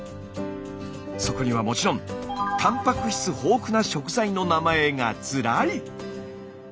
そこにはもちろんたんぱく質豊富な食材の名前がずらり！